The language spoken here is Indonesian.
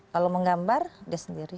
kalau menggambar dia sendiri